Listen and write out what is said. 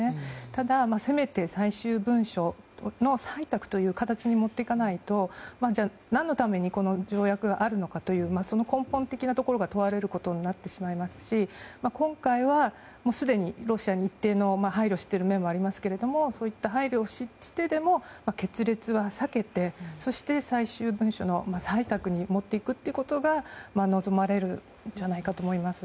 ただ、せめて最終文書の採択という形に持っていかないとじゃあ、何のためにこの条約があるのかという根本的なところが問われることになってしまいますし今回は、すでにロシアに一定の配慮をしている面もありますがそういった配慮をしてでも決裂は避けて最終文書の採択に持っていくことが望まれるんじゃないかと思います。